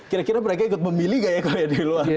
kira kira mereka ikut memilih nggak ya kalau ya di luar